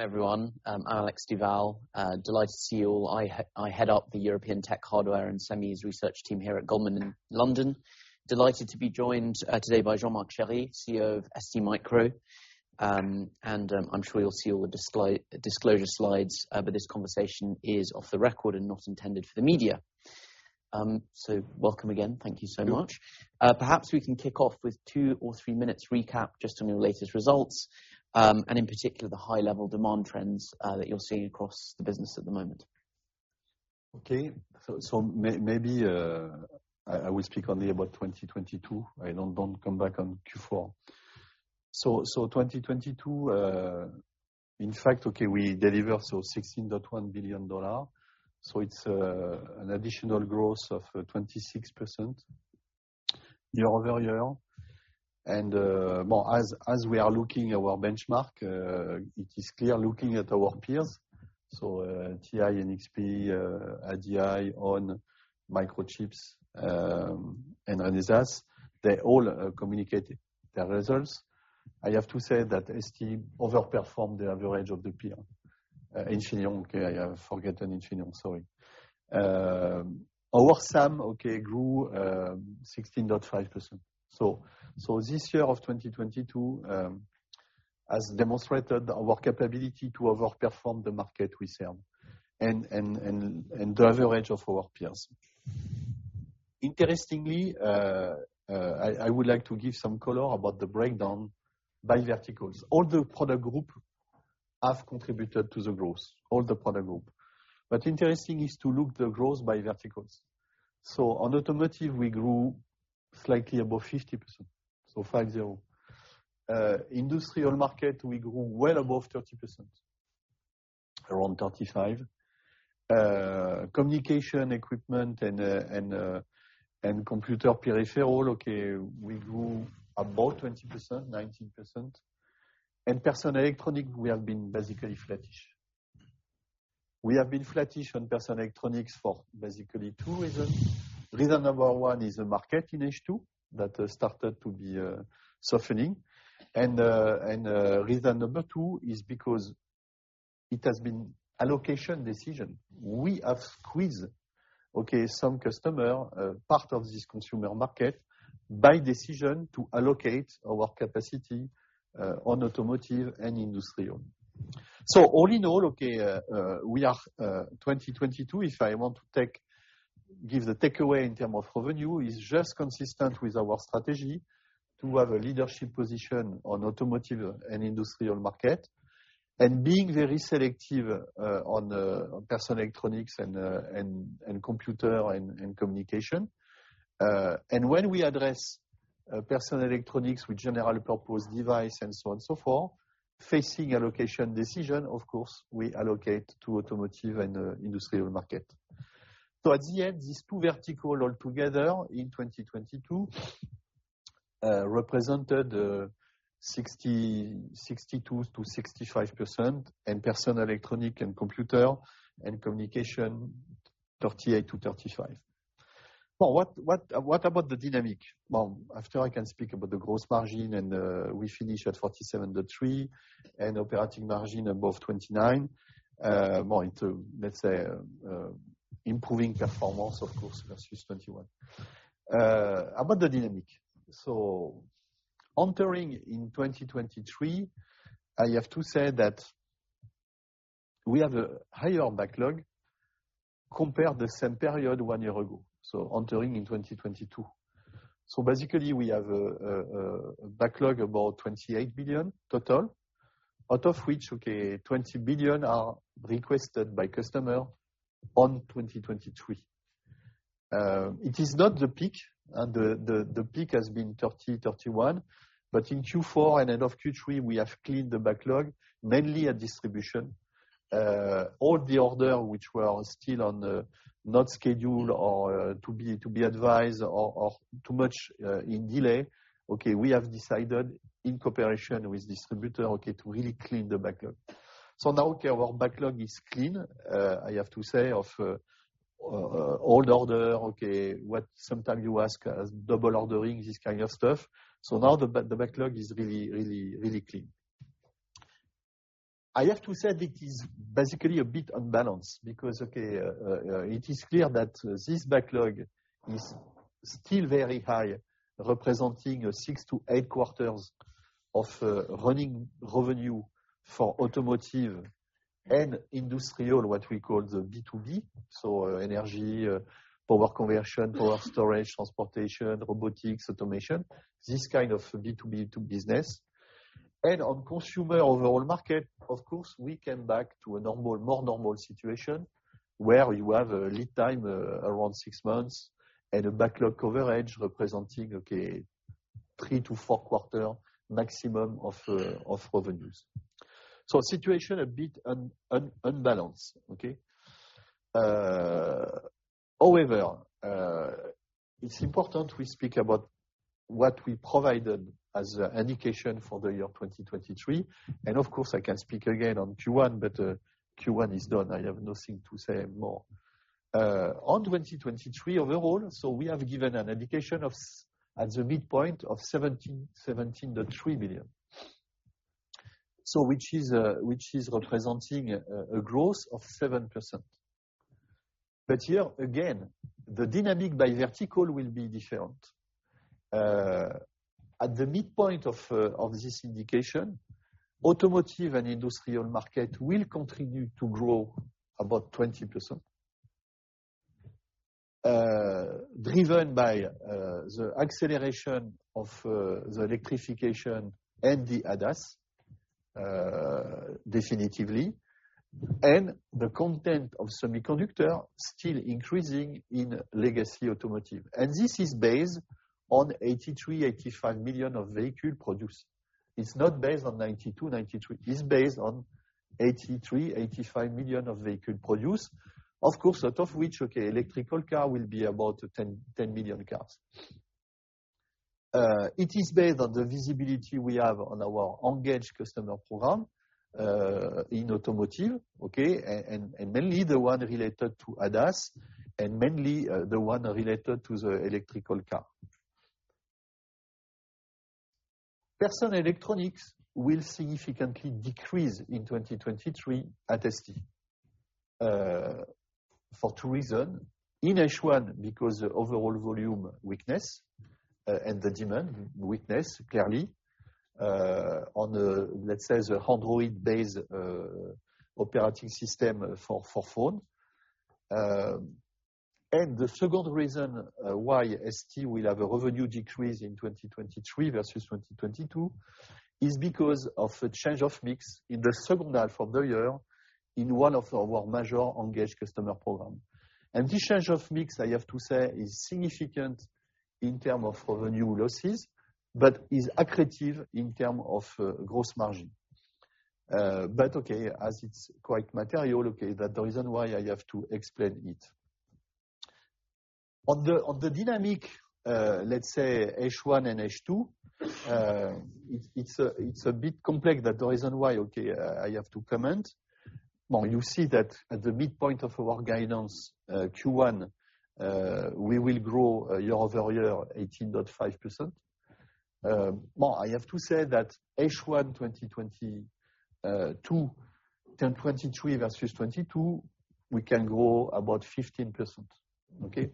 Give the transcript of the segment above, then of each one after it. Everyone, I'm Alex Duval. Delighted to see you all. I head up the European Tech Hardware and Semis Research team here at Goldman in London. Delighted to be joined today by Jean-Marc Chéry, CEO of STMicro. I'm sure you'll see all the disclosure slides, but this conversation is off the record and not intended for the media. Welcome again. Thank you so much. Thank you. Perhaps we can kick off with two or three minutes recap just on your latest results, and in particular, the high level demand trends that you're seeing across the business at the moment. Okay. I will speak only about 2022. I don't come back on Q4. 2022, in fact, we deliver $16.1 billion. It's an additional growth of 26% year-over-year. Well, as we are looking our benchmark, it is clear looking at our peers. TI, NXP, ADI, ON, Microchip, and Renesas, they all communicated their results. I have to say that ST overperformed the average of the peer. Infineon, I have forgotten Infineon. Sorry. Our sum grew 16.5%. This year of 2022 has demonstrated our capability to overperform the market we serve and the average of our peers. Interestingly, I would like to give some color about the breakdown by verticals. All the product group have contributed to the growth. Interesting is to look the growth by verticals. On automotive, we grew slightly above 50%, so five zero. Industrial market, we grew well above 30%, around 35%. Communication equipment and computer peripheral, okay, we grew about 20%, 19%. Personal electronics, we have been basically flattish. We have been flattish on personal electronics for basically two reasons. Reason number one is a market in H2 that started to be softening. Reason number two is because it has been allocation decision. We have squeezed, okay, some customer part of this consumer market by decision to allocate our capacity on automotive and industrial. All in all, we are 2022, if I want to give the takeaway in term of revenue, is just consistent with our strategy to have a leadership position on automotive and industrial market, and being very selective on personal electronics and computer and communication. When we address personal electronics with general purpose device and so on and so forth, facing allocation decision, of course, we allocate to automotive and industrial market. At the end, these two vertical all together in 2022, represented 62%-65%, and personal electronic and computer and communication, 38%-35%. What about the dynamic? After I can speak about the gross margin and we finish at 47.3% and operating margin above 29%, more into, let's say, improving performance of course versus 2021. About the dynamic. Entering in 2023, I have to say that we have a higher backlog compared the same period one year ago, so entering in 2022. Basically, we have a backlog about $28 billion total, out of which, okay, $20 billion are requested by customer on 2023. It is not the peak. The peak has been $30 billion, $31 billion. In Q4 and end of Q3, we have cleared the backlog, mainly at distribution. All the order which were still on the not scheduled or to be advised or too much in delay, okay, we have decided in cooperation with distributor, okay, to really clear the backup. Now, okay, our backlog is clean. I have to say of old order, okay, what sometime you ask as double ordering this kind of stuff. Now the backlog is really, really, really clean. I have to say that is basically a bit unbalanced because, okay, it is clear that this backlog is still very high, representing six-eight quarters of running revenue for automotive and industrial, what we call the B2B, so energy, power conversion, power storage, transportation, robotics, automation, this kind of B2B business. On consumer overall market, of course, we came back to a normal, more normal situation where you have a lead time around 6 months and a backlog coverage representing, three-four quarter maximum of revenues. Situation a bit unbalanced. However, it's important we speak about what we provided as an indication for the year 2023. Of course, I can speak again on Q1, but Q1 is done. I have nothing to say more. On 2023 overall, we have given an indication at the midpoint of $17 billion-$17.3 billion, which is representing a growth of 7%. Here again, the dynamic by vertical will be different. At the midpoint of this indication, automotive and industrial market will continue to grow about 20%. Driven by the acceleration of the electrification and the ADAS, definitively, and the content of semiconductor still increasing in legacy automotive. This is based on 83 million-85 million of vehicle produced. It's not based on 92, 93. It's based on 83 million-85 million of vehicle produced. Of course, out of which, okay, electrical car will be about 10 million cars. It is based on the visibility we have on our engaged customer program in automotive, okay? And mainly the one related to ADAS and mainly the one related to the electrical car. Personal electronics will significantly decrease in 2023 at ST for two reason. In H1 because the overall volume weakness and the demand weakness clearly on, let's say the Android-based operating system for phone. The second reason why ST will have a revenue decrease in 2023 versus 2022 is because of a change of mix in the second half of the year in one of our major engaged customer program. This change of mix, I have to say, is significant in term of revenue losses but is accretive in term of gross margin. Okay, as it's quite material, okay, that the reason why I have to explain it. On the, on the dynamic, let's say H1 and H2, it's a bit complex that the reason why, okay, I have to comment. Now you see that at the midpoint of our guidance, Q1, we will grow year-over-year 18.5%. Well, I have to say that H1 2023 versus 2022, we can grow about 15%. Okay?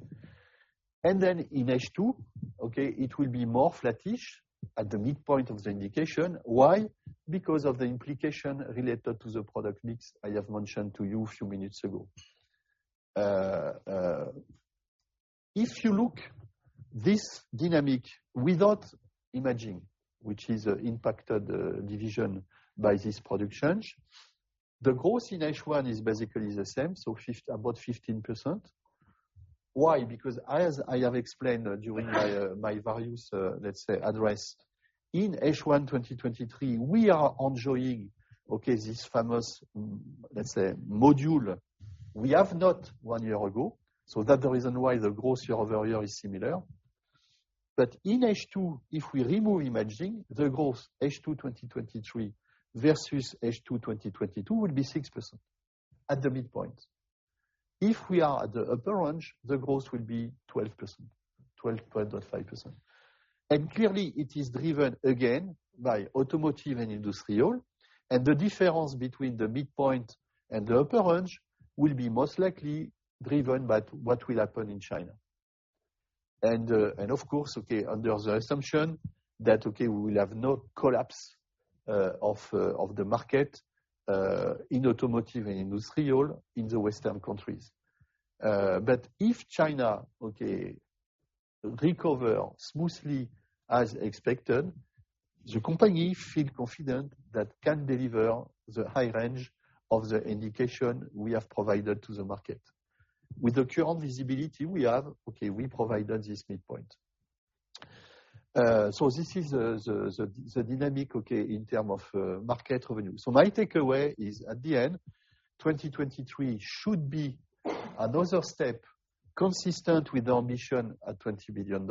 In H2, okay, it will be more flattish at the midpoint of the indication. Why? Because of the implication related to the product mix I have mentioned to you a few minutes ago. If you look this dynamic without imaging, which is impacted, division by this product change, the growth in H1 is basically the same, so about 15%. Why? Because as I have explained during my values, let's say address, in H1 2023, we are enjoying, okay, this famous, let's say module we have not one year ago. That the reason why the growth year-over-year is similar. In H2, if we remove imaging, the growth H2 2023 versus H2 2022 will be 6% at the midpoint. If we are at the upper range, the growth will be 12%, 12.5%. Clearly it is driven again by automotive and industrial. The difference between the midpoint and the upper range will be most likely driven by what will happen in China. Of course, under the assumption that we will have no collapse of the market in automotive and industrial in the Western countries. If China recover smoothly as expected, the company feel confident that can deliver the high range of the indication we have provided to the market. With the current visibility we have, we provided this midpoint. This is the dynamic, okay, in term of market revenue. My takeaway is at the end, 2023 should be another step consistent with our mission at $20 billion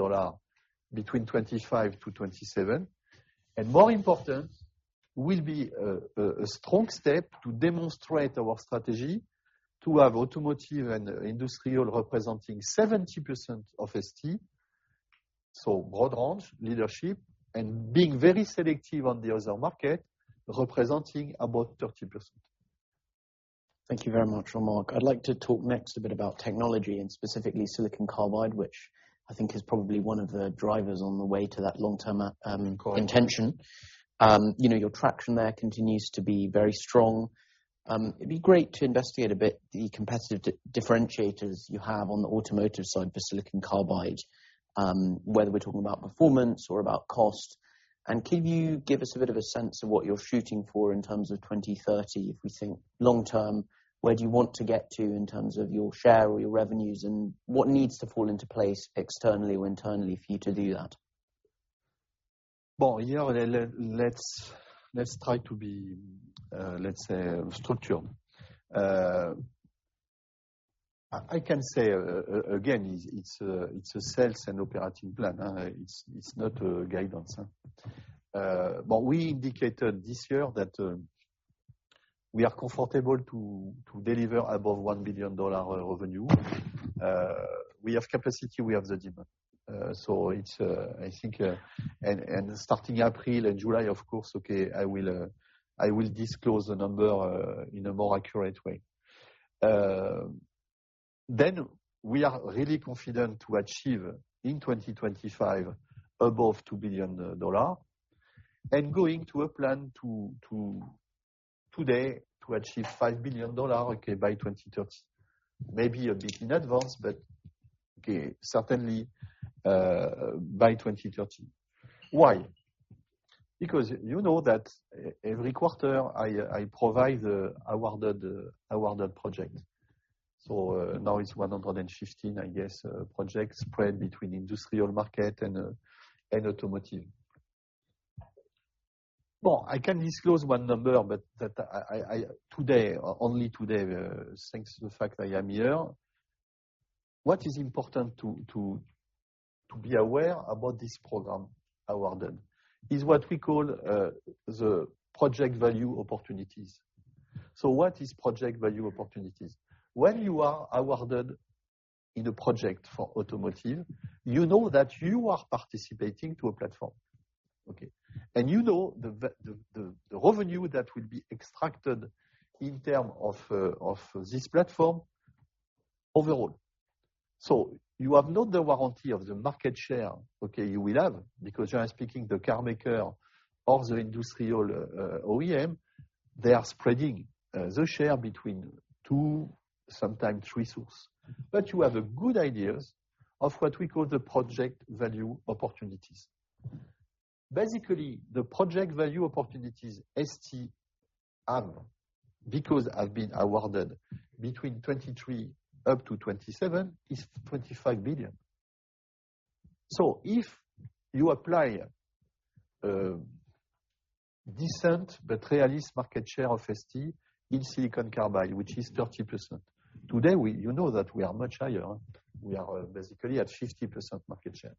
between 2025-2027. More important will be a strong step to demonstrate our strategy to have automotive and industrial representing 70% of ST. Broad range leadership and being very selective on the other market, representing about 30%. Thank you very much, Jean-Marc. I'd like to talk next a bit about technology and specifically silicon carbide, which I think is probably one of the drivers on the way to that long-term, intention. you know, your traction there continues to be very strong. it'd be great to investigate a bit the competitive differentiators you have on the automotive side for silicon carbide, whether we're talking about performance or about cost. Can you give us a bit of a sense of what you're shooting for in terms of 2030, if we think long term, where do you want to get to in terms of your share or your revenues, and what needs to fall into place externally or internally for you to do that? Well, here let's try to be, let's say structured. I can say again, it's a sales and operating plan. It's not a guidance. We indicated this year that we are comfortable to deliver above $1 billion revenue. We have capacity, we have the demand. It's I think. Starting April and July, of course, okay, I will disclose the number in a more accurate way. We are really confident to achieve in 2025 above $2 billion and going to a plan today to achieve $5 billion, okay, by 2030. Maybe a bit in advance, but, okay, certainly by 2030. Why? Because you know that every quarter I provide the awarded project. Now it's 115, I guess, projects spread between industrial market and automotive. I can disclose one number, but that I today, only today, thanks to the fact I am here. What is important to be aware about this program awarded is what we call the project value opportunities. What is project value opportunities? When you are awarded in a project for automotive, you know that you are participating to a platform. Okay? You know the revenue that will be extracted in term of this platform overall. You have not the warranty of the market share, okay, you will have because you are speaking the car maker or the industrial OEM. They are spreading the share between two, sometimes three source. You have a good ideas of what we call the project value opportunities. Basically, the project value opportunities ST have because I've been awarded between 2023 up to 2027 is $25 billion. If you apply decent but realist market share of ST in silicon carbide, which is 30%. Today you know that we are much higher. We are basically at 50% market share.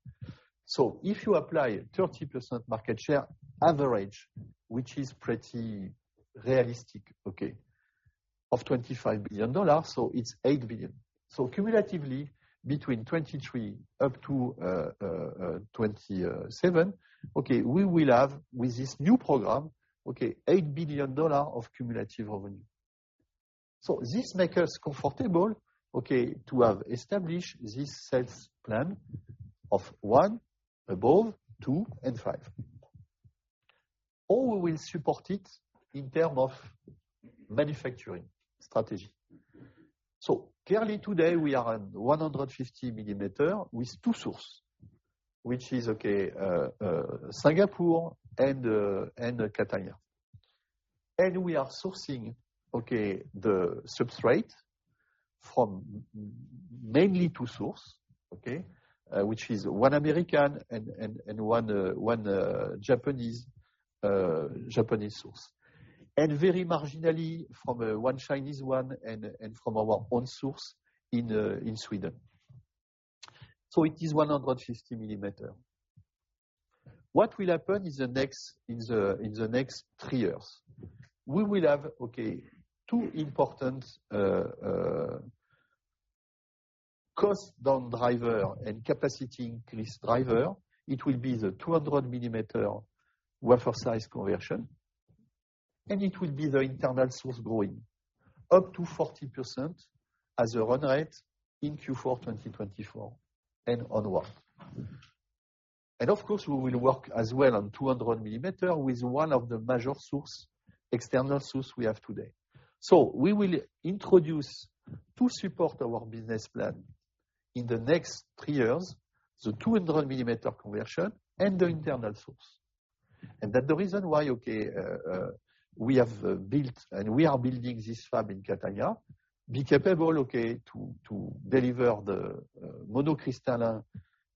If you apply 30% market share average, which is pretty realistic, okay, of $25 billion, so it's $8 billion. Cumulatively between 2023 up to 2027, okay, we will have with this new program, okay, $8 billion of cumulative revenue. This make us comfortable, okay, to have established this sales plan of one above two and five. How we will support it in term of manufacturing strategy. Clearly today we are at 150 mm with two source, which is, okay, Singapore and Catania. We are sourcing, okay, the substrate from mainly two source, okay, which is one American and one Japanese source. Very marginally from one Chinese one and from our own source in Sweden. It is 150 mm. What will happen in the next three years? We will have, okay, two important cost down driver and capacity increase driver. It will be the 200 mm wafer size conversion, and it will be the internal source growing up to 40% as a run rate in Q4 2024 and onward. Of course we will work as well on 200 mm with one of the major source, external source we have today. We will introduce to support our business plan in the next three years, the 200 mm conversion and the internal source. That the reason why, okay, we have built and we are building this fab in Catania, be capable, okay, to deliver the monocrystalline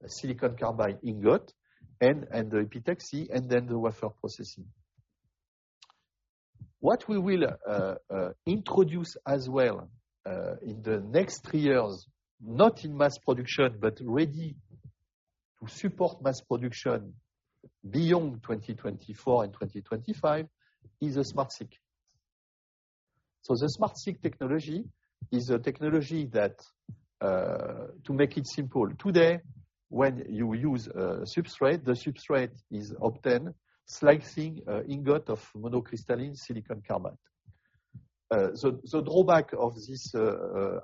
silicon carbide ingot and the epitaxy and then the wafer processing. What we will introduce as well in the next three years, not in mass production but ready to support mass production beyond 2024 and 2025 is a SmartSiC. The SmartSiC technology is a technology that, to make it simple, today when you use a substrate, the substrate is obtained slicing ingot of monocrystalline silicon carbide. So drawback of this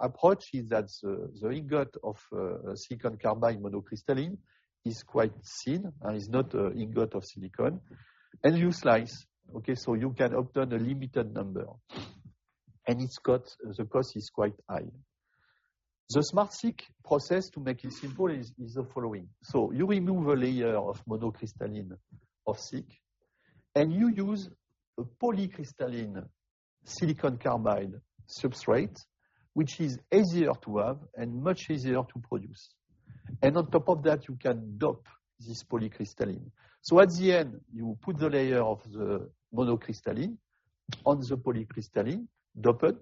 approach is that the ingot of silicon carbide monocrystalline is quite thin and is not a ingot of silicon and you slice, okay? You can obtain a limited number and the cost is quite high. The SmartSiC process to make it simple is the following. You remove a layer of monocrystalline of SiC and you use a polycrystalline silicon carbide substrate, which is easier to have and much easier to produce. On top of that you can dope this polycrystalline. At the end, you put the layer of the monocrystalline on the polycrystalline doped,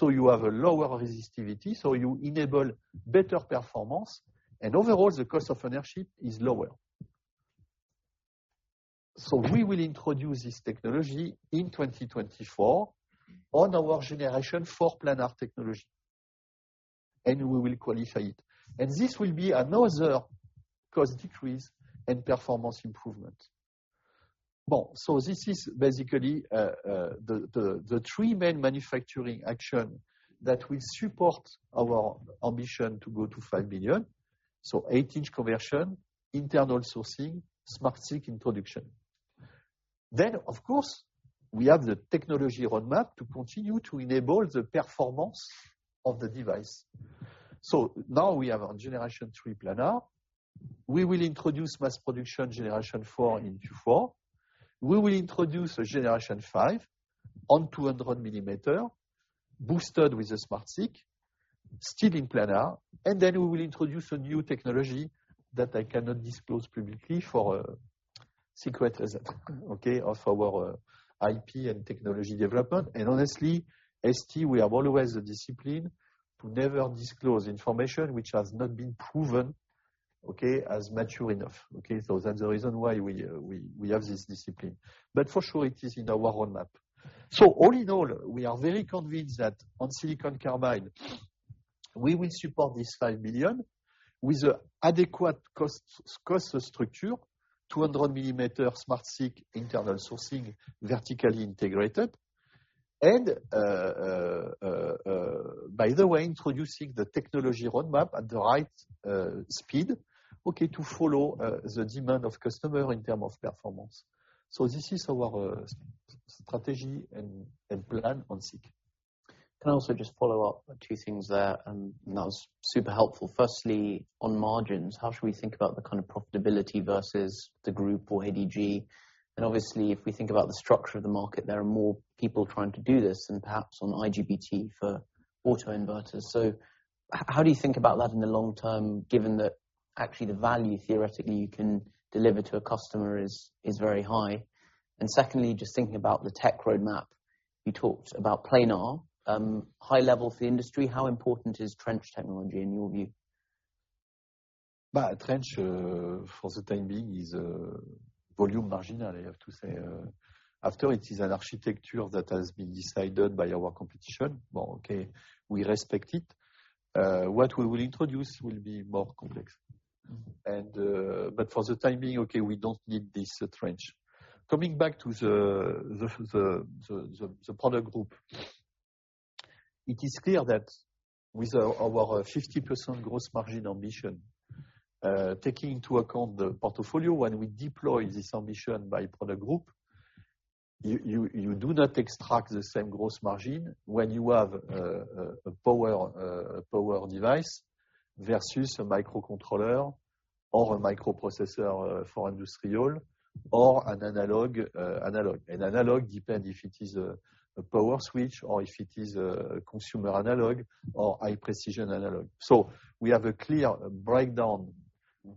you have a lower resistivity, you enable better performance and overall the cost of ownership is lower. We will introduce this technology in 2024 on our Generation four planar technology, and we will qualify it. This will be another cost decrease and performance improvement. This is basically the three main manufacturing action that will support our ambition to go to $5 billion. eight-inch conversion, internal sourcing, SmartSiC introduction. Of course, we have the technology roadmap to continue to enable the performance of the device. Now we have our Generation 3 planar. We will introduce mass production Generation 4 in Q4. We will introduce a Generation 5 on 200 mm, boosted with a SmartSiC, still in planar, and then we will introduce a new technology that I cannot disclose publicly for secret asset, okay, of our IP and technology development. Honestly, ST, we are always a discipline to never disclose information which has not been proven, okay, as mature enough. Okay? That's the reason why we have this discipline. For sure, it is in our roadmap. All in all, we are very convinced that on silicon carbide, we will support this $5 billion with adequate cost structure, 200 mm SmartSiC internal sourcing, vertically integrated. By the way, introducing the technology roadmap at the right speed, okay, to follow the demand of customer in terms of performance. This is our strategy and plan on SiC. Can I also just follow up two things there. That was super helpful. Firstly, on margins, how should we think about the kind of profitability versus the group or ADG? Obviously, if we think about the structure of the market, there are more people trying to do this than perhaps on IGBT for auto inverters. How do you think about that in the long term, given that actually the value theoretically you can deliver to a customer is very high? Secondly, just thinking about the tech roadmap, you talked about planar, high level for the industry, how important is trench technology in your view? Trench for the time being is volume marginal, I have to say. After it is an architecture that has been decided by our competition. Well, okay, we respect it. What we will introduce will be more complex. But for the time being, okay, we don't need this trench. Coming back to the product group, it is clear that with our 50% gross margin ambition, taking into account the portfolio, when we deploy this ambition by product group, you do not extract the same gross margin when you have a power device versus a microcontroller or a microprocessor for industrial or an analog. An analog depend if it is a power switch or if it is a consumer analog or high-precision analog. We have a clear breakdown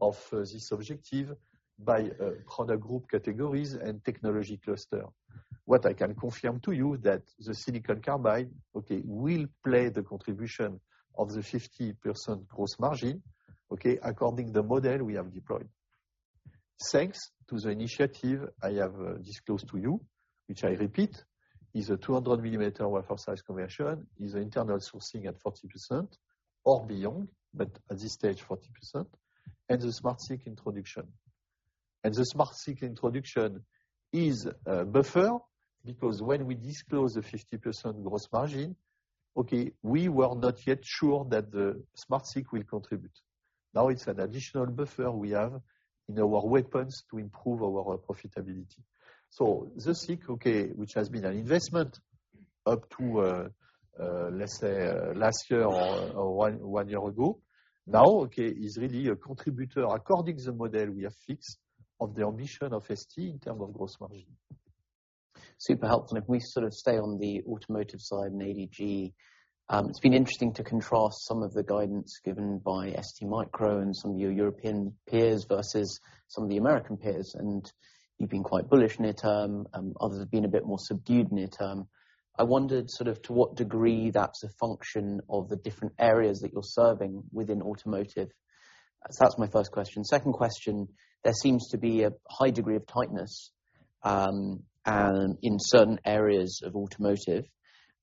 of this objective by product group categories and technology cluster. What I can confirm to you that the silicon carbide, okay, will play the contribution of the 50% gross margin, okay, according the model we have deployed. Thanks to the initiative I have disclosed to you, which I repeat, is a 200 mm wafer size conversion, is internal sourcing at 40% or beyond, but at this stage, 40%, and the SmartSiC introduction. The SmartSiC introduction is a buffer, because when we disclose the 50% gross margin, okay, we were not yet sure that the SmartSiC will contribute. Now it's an additional buffer we have in our weapons to improve our profitability. The SiC, okay, which has been an investment up to, let's say last year or one year ago, now, okay, is really a contributor according the model we have fixed of the ambition of ST in terms of gross margin. Super helpful. If we sort of stay on the automotive side and ADG, it's been interesting to contrast some of the guidance given by STMicro and some of your European peers versus some of the American peers, and you've been quite bullish near term, others have been a bit more subdued near term. I wondered sort of to what degree that's a function of the different areas that you're serving within automotive. That's my first question. Second question. There seems to be a high degree of tightness in certain areas of automotive,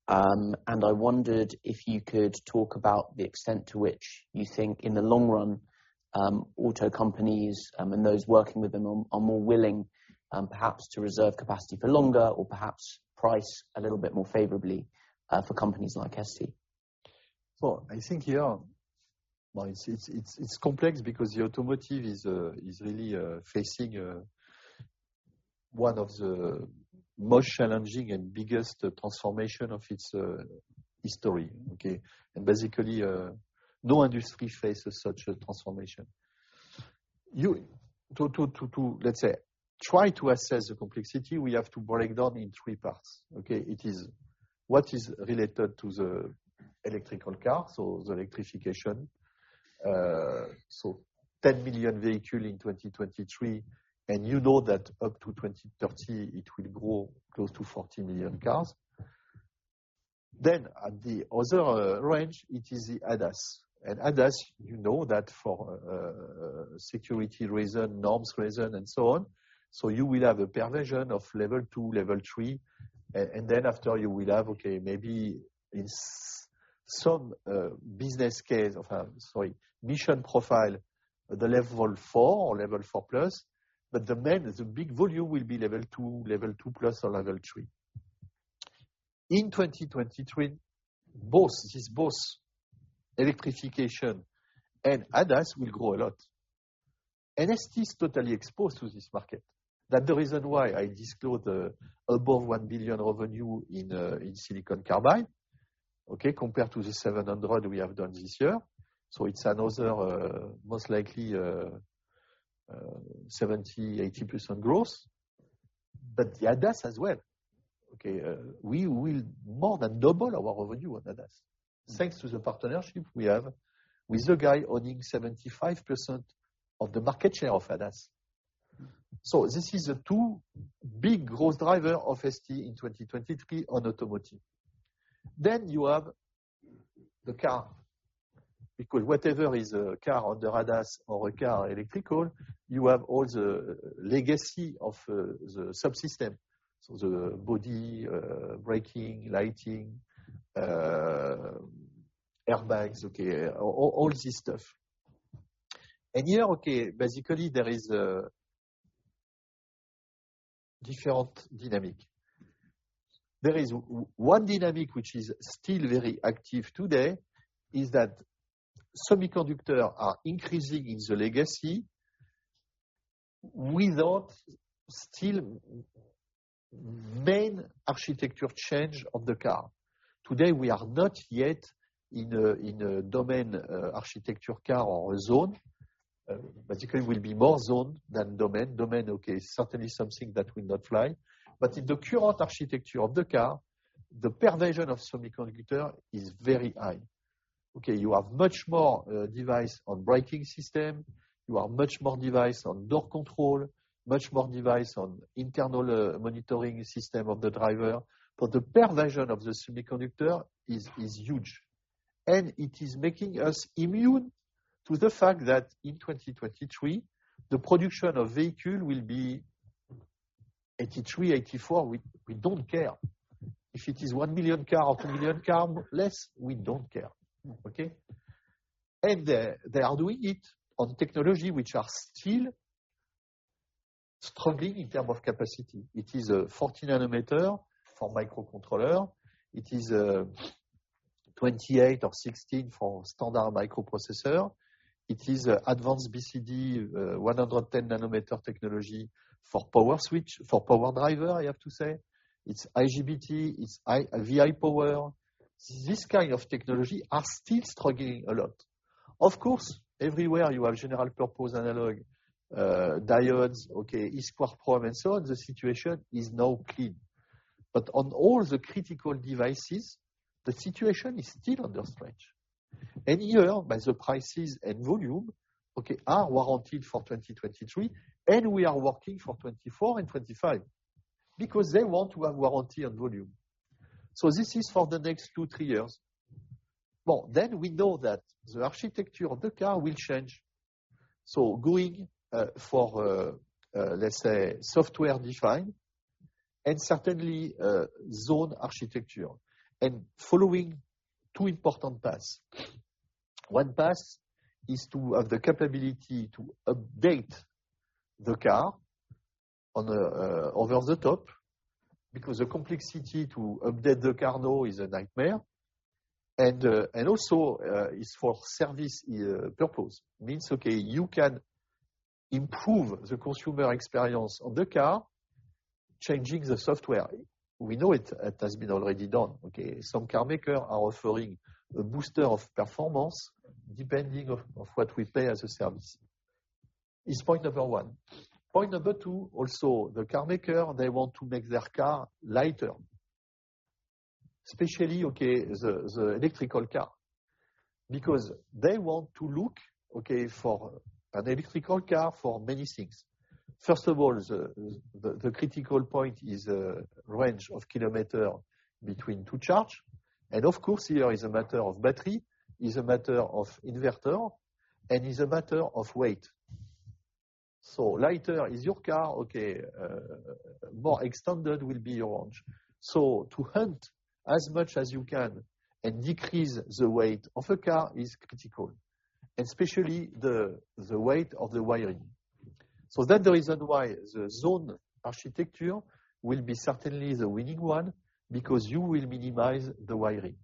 and I wondered if you could talk about the extent to which you think in the long run, auto companies and those working with them are more willing perhaps to reserve capacity for longer or perhaps price a little bit more favorably for companies like ST. Well, I think, yeah. Well, it's complex because the automotive is really facing one of the most challenging and biggest transformation of its history, okay? Basically, no industry faces such a transformation. To let's say, try to assess the complexity, we have to break down in three parts, okay? It is what is related to the electrical car, so the electrification. 10 billion vehicle in 2023, you know that up to 2030, it will grow close to 40 million cars. At the other range, it is the ADAS. ADAS, you know that for security reason, norms reason, and so on. You will have a provision of level two, level three, and then after you will have, sorry, mission profile, the level four or level four plus, but the main, the big volume will be level two, level two plus or level three. In 2023, both, it is both electrification and ADAS will grow a lot. ST is totally exposed to this market. That the reason why I disclosed above $1 billion revenue in silicon carbide, compared to the $700 we have done this year. It's another, most likely, 70%-80% growth. The ADAS as well. We will more than double our revenue on ADAS. Thanks to the partnership we have with the guy owning 75% of the market share of ADAS. This is the two big growth driver of ST in 2023 on automotive. You have the car, because whatever is a car on the ADAS or a car electrical, you have all the legacy of the subsystem. The body, braking, lighting, airbags, okay, all this stuff. Here, okay, basically there is a different dynamic. There is one dynamic which is still very active today, is that semiconductor are increasing in the legacy without still main architecture change of the car. Today, we are not yet in a, in a domain architecture car or a zone. Basically will be more zone than domain. Domain, okay, certainly something that will not fly. In the current architecture of the car, the provision of semiconductor is very high. Okay, you have much more device on braking system. You have much more device on door control, much more device on internal monitoring system of the driver. The provision of the semiconductor is huge, and it is making us immune to the fact that in 2023, the production of vehicle will be 83, 84. We don't care. If it is 1 million car or 2 million car less, we don't care. Okay? They are doing it on technology which are still struggling in term of capacity. It is a 40 nm for microcontroller. It is 28 or 16 for standard microprocessor. It is advanced BCD 110 nm technology for power driver, I have to say. It's IGBT, it's VIPower. This kind of technology are still struggling a lot. Of course, everywhere you have general purpose analog, diodes, okay, SCR power, and so on, the situation is now clean. On all the critical devices, the situation is still under stretch. Here, by the prices and volume, okay, are warranted for 2023, and we are working for 2024 and 2025 because they want to have warranty and volume. This is for the next two, three years. We know that the architecture of the car will change. Going for, let's say, software-defined and certainly zone architecture and following two important paths. One path is to have the capability to update the car on a over the top, because the complexity to update the car now is a nightmare. Also is for service purpose. Means, okay, you can improve the consumer experience of the car, changing the software. We know it. It has been already done, okay. Some car maker are offering a booster of performance depending of what we pay as a service. Is point number one. Point number two, also the car maker, they want to make their car lighter, especially, okay, the electrical car, because they want to look, okay, for an electrical car for many things. First of all, the critical point is range of kilometer between two charge. Of course, here is a matter of battery, is a matter of inverter, and is a matter of weight. Lighter is your car, okay, more extended will be your range. To hunt as much as you can and decrease the weight of a car is critical, especially the weight of the wiring. That the reason why the zone architecture will be certainly the winning one, because you will minimize the wiring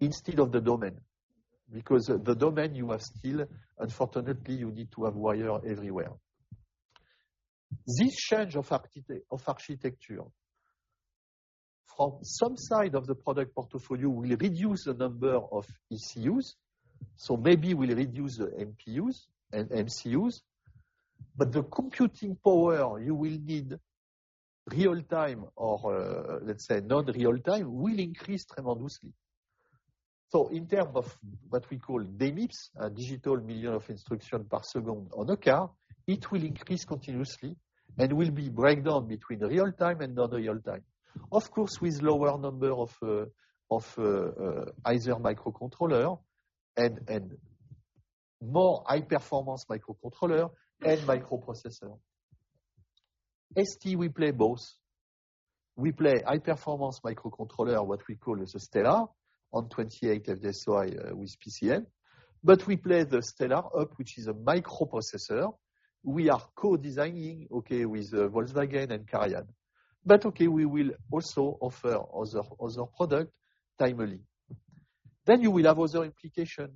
instead of the domain. The domain you have still, unfortunately, you need to have wire everywhere. This change of architecture from some side of the product portfolio will reduce the number of ECUs, so maybe will reduce the MPUs and MCUs. The computing power you will need real time or, let's say not real time, will increase tremendously. In term of what we call DMIPS, digital million of instruction per second on a car, it will increase continuously and will be breakdown between real time and non-real time. Of course, with lower number of, either microcontroller and more high-performance microcontroller and microprocessor. ST, we play both. We play high-performance microcontroller, what we call as a Stellar on 28 FDSOI with PCM, but we play the Stellar up, which is a microprocessor. We are co-designing, okay, with Volkswagen and CARIAD. Okay, we will also offer other product timely. You will have other implication,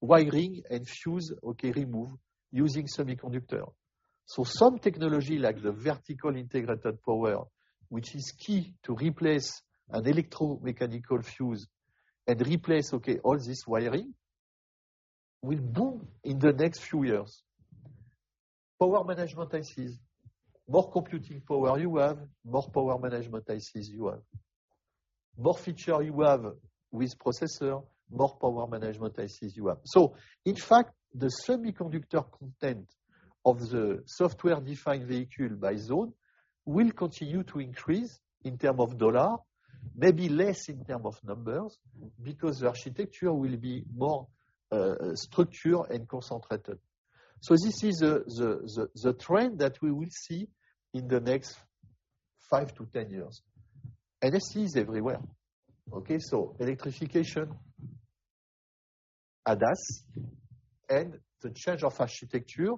wiring and fuse, okay, remove using semiconductor. Some technology like the vertically integrated power, which is key to replace an electromechanical fuse and replace, okay, all this wiring, will boom in the next few years. Power Management ICs. More computing power you have, more Power Management ICs you have. More feature you have with processor, more Power Management ICs you have. In fact, the semiconductor content of the software-defined vehicle by zone will continue to increase in term of dollar, maybe less in term of numbers, because the architecture will be more structured and concentrated. This is the, the trend that we will see in the next five-10 years. This is everywhere. Okay. Electrification, ADAS, and the change of architecture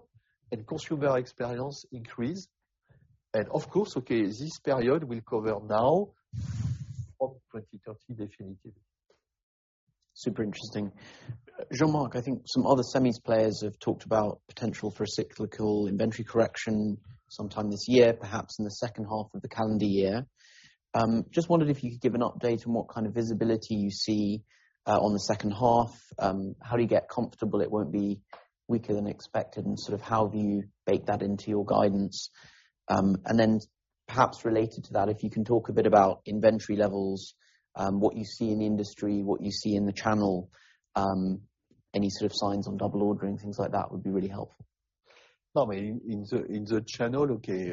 and consumer experience increase. Of course, this period will cover now up 2030 definitive. Super interesting. Jean-Marc, I think some other semis players have talked about potential for a cyclical inventory correction sometime this year, perhaps in the second half of the calendar year. Just wondered if you could give an update on what kind of visibility you see on the second half. How do you get comfortable it won't be weaker than expected, and sort of how do you bake that into your guidance? Then perhaps related to that, if you can talk a bit about inventory levels, what you see in the industry, what you see in the channel, any sort of signs on double ordering, things like that would be really helpful. No, I mean, in the channel, okay,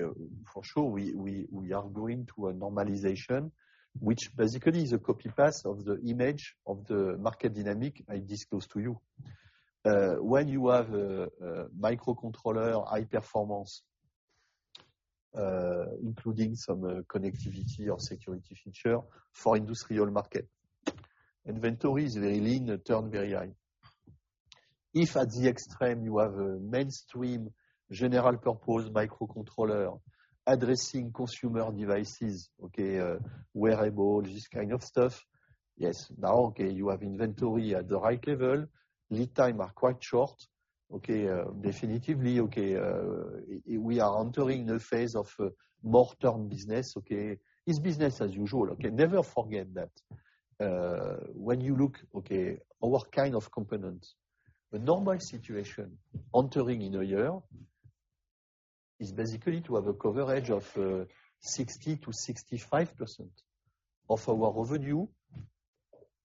for sure, we are going to a normalization, which basically is a copy-paste of the image of the market dynamic I disclosed to you. When you have a microcontroller high performance, including some connectivity or security feature for industrial market, inventory is very lean, turn very high. If at the extreme you have a mainstream general purpose microcontroller addressing consumer devices, okay, wearable, this kind of stuff. Yes. Now, okay, you have inventory at the right level. Lead time are quite short. Okay. definitively, okay, we are entering a phase of more term business, okay? It's business as usual, okay? Never forget that. When you look, okay, our kind of components, the normal situation entering in a year is basically to have a coverage of 60%-65% of our revenue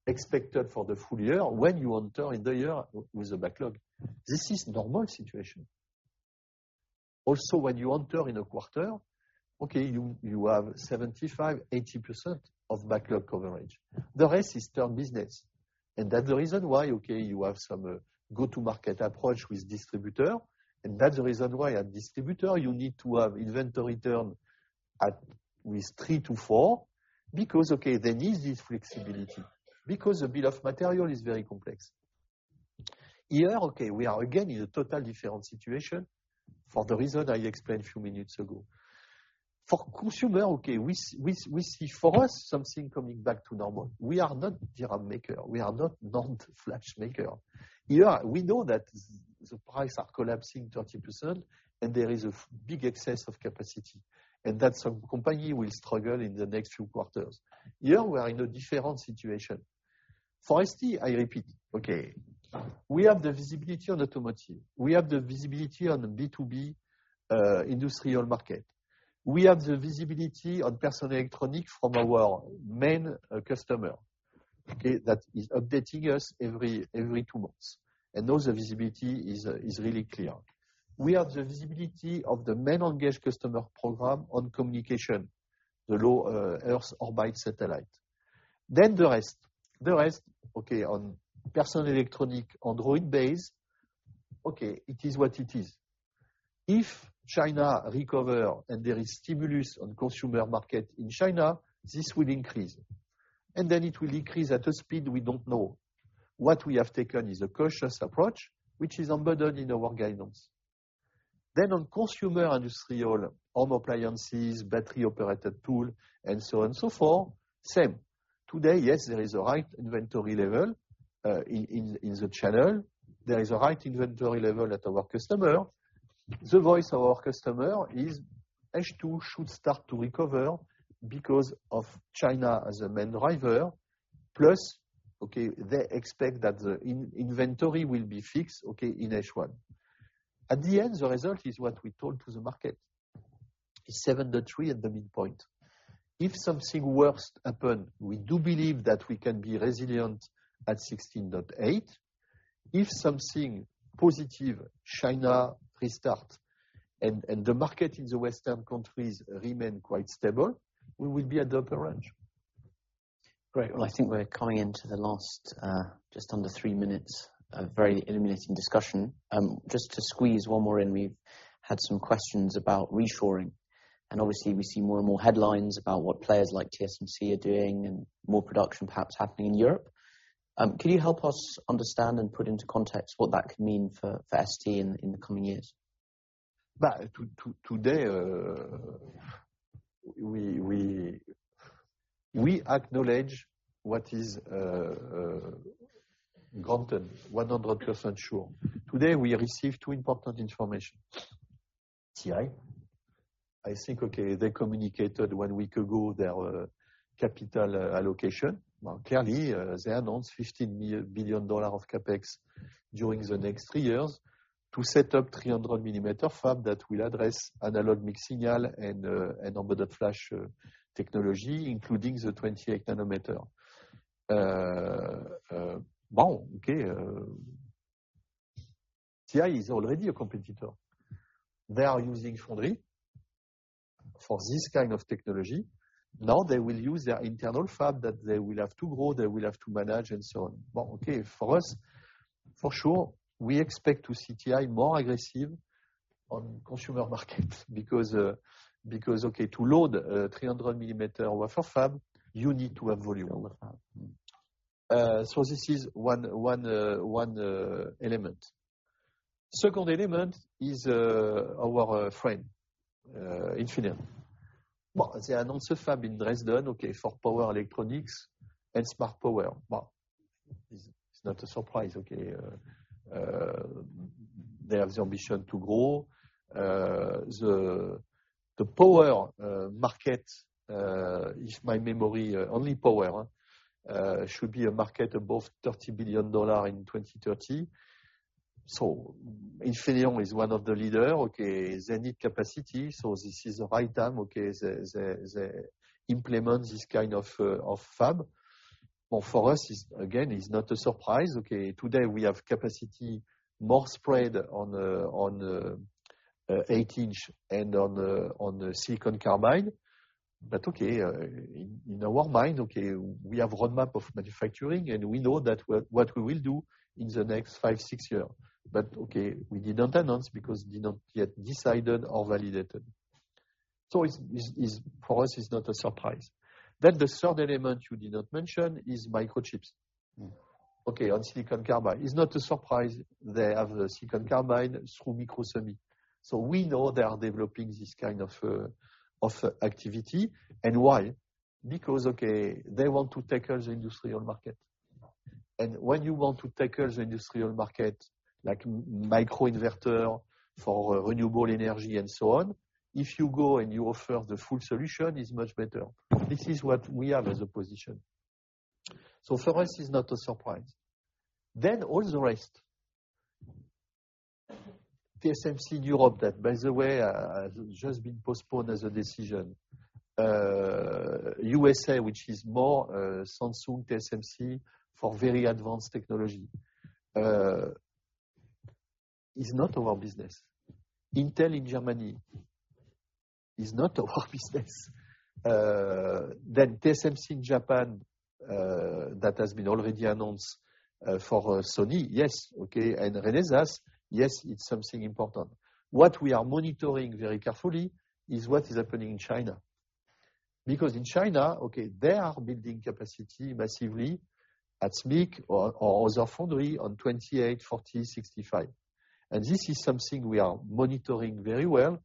expected for the full year when you enter in the year with a backlog. This is normal situation. Also, when you enter in a quarter, okay, you have 75%-80% of backlog coverage. The rest is term business. That's the reason why, okay, you have some go-to-market approach with distributor. That's the reason why a distributor, you need to have inventory turn at, with three-four because, okay, there is this flexibility because the bill of material is very complex. Here, okay, we are again in a total different situation for the reason I explained a few minutes ago. For consumer, okay, we see for us something coming back to normal. We are not DRAM maker. We are not NAND flash maker. Here we know that the price are collapsing 30% and there is a big excess of capacity, and that some company will struggle in the next few quarters. Here we are in a different situation. For ST, I repeat, okay, we have the visibility on automotive. We have the visibility on B2B industrial market. We have the visibility on personal electronic from our main customer, okay, that is updating us every two months. Those visibility is really clear. We have the visibility of the main engaged customer program on communication, the low Earth orbit satellite. The rest. The rest, okay, on personal electronic Android base, okay, it is what it is. If China recover and there is stimulus on consumer market in China, this will increase, and then it will increase at a speed we don't know. What we have taken is a cautious approach, which is embedded in our guidance. on consumer, industrial, home appliances, battery-operated tool and so on and so forth, same. Today, yes, there is a right inventory level in the channel. There is a right inventory level at our customer. The voice of our customer is H2 should start to recover because of China as a main driver. okay, they expect that the in-inventory will be fixed, okay, in H1. At the end, the result is what we told to the market. It's seven to three at the midpoint. If something worse happen, we do believe that we can be resilient at 16.8. If something positive, China restart and the market in the western countries remain quite stable, we will be at the upper range. Great. Well, I think we're coming into the last, just under three minutes of very illuminating discussion. Just to squeeze one more in. We've had some questions about reshoring, and obviously we see more and more headlines about what players like TSMC are doing and more production perhaps happening in Europe. Can you help us understand and put into context what that could mean for ST in the coming years? Today we acknowledge what is granted 100% sure. Today we receive two important information. TI, I think, okay, they communicated one week ago their capital allocation. Clearly, they announced $15 billion of CapEx during the next three years to set up 300 mm fab that will address analog mixed signal and embedded Flash technology, including the 28 nm. TI is already a competitor. They are using foundry for this kind of technology. Now they will use their internal fab that they will have to grow, they will have to manage and so on. For us, for sure, we expect to see TI more aggressive on consumer market because to load a 300 mm wafer fab, you need to have volume. This is one element. Second element is our friend Infineon. Well, they announce a fab in Dresden, okay, for power electronics and smart power. Well, it's not a surprise, okay? They have the ambition to grow. The power market, if my memory, only power should be a market above $30 billion in 2030. Infineon is one of the leader. Okay? They need capacity. This is the right time, okay, they implement this kind of fab. Well, for us, it's again, it's not a surprise, okay. Today we have capacity more spread on the 8-inch and on the silicon carbide. In our mind, okay, we have roadmap of manufacturing, and we know that what we will do in the next five, six year. We did not announce because did not get decided or validated. It's for us, it's not a surprise. The third element you did not mention is Microchips. Mm. On silicon carbide. It's not a surprise, they have the silicon carbide through Microsemi. We know they are developing this kind of activity. Why? Because they want to tackle the industrial market. When you want to tackle the industrial market like microinverter for renewable energy and so on, if you go and you offer the full solution, it's much better. This is what we have as a position. For us is not a surprise. All the rest. TSMC in Europe that by the way, has just been postponed as a decision. U.S., which is more, Samsung, TSMC for very advanced technology, is not our business. Intel in Germany is not our business. TSMC in Japan, that has been already announced, for Sony. Yes, and Renesas. Yes, it's something important. What we are monitoring very carefully is what is happening in China. In China, okay, they are building capacity massively at SMIC or other foundry on 28, 40, 65. This is something we are monitoring very well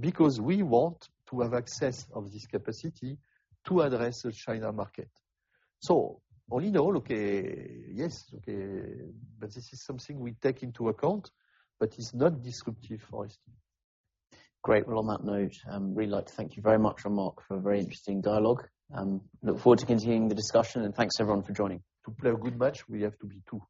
because we want to have access of this capacity to address the China market. All in all, okay, yes, okay, but this is something we take into account, but it's not disruptive for ST. Great. Well, on that note, really like to thank you very much, Marc, for a very interesting dialogue and look forward to continuing the discussion and thanks everyone for joining. To play a good match, we have to be two.